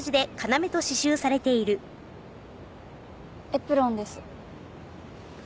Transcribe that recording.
エプロンです。